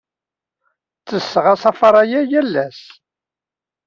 Ttesseɣ asafar-a yal ass.